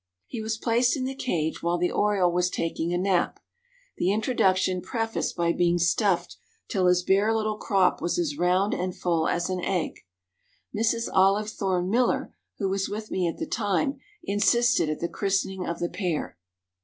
He was placed in the cage while the oriole was taking a nap, the introduction prefaced by being stuffed till his bare little crop was as round and full as an egg. Mrs. Olive Thorne Miller, who was with me at the time, assisted at the christening of the pair.